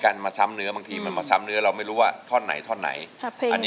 ไปออกกำลังกายมาไปไงมีสลัดแขนไปวอม